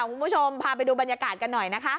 คุณผู้ชมพาไปดูบรรยากาศกันหน่อยนะคะ